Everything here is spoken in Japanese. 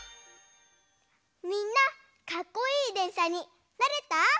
みんなかっこいいでんしゃになれた？